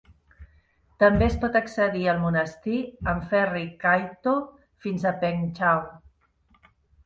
També es pot accedir al monestir amb ferri kai-to fins a Peng Chau.